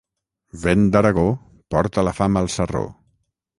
Vent d'Aragó porta la fam al sarró.